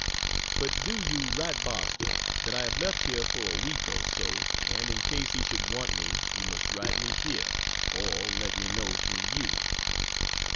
But do you write Barstow that I have left here for a week or so, and in case he should want me he must write me here, or let me know through you.